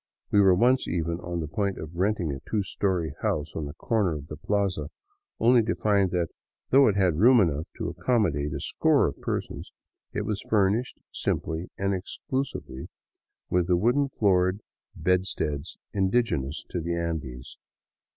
We were once even on the point of renting a two story house on a corner of the plaza — only to find that though it had room enough to accommodate a score of persons, it was furnished simply and exclusively with the wooden floored bedsteads indigenous to the Andes.